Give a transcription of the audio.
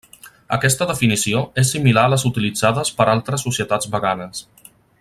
Aquesta definició és similar a les utilitzades per altres societats veganes.